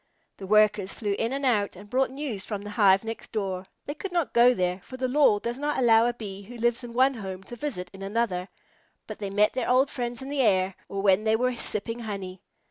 The Workers flew in and out, and brought news from the hive next door. They could not go there, for the law does not allow a Bee who lives in one home to visit in another, but they met their old friends in the air or when they were sipping honey.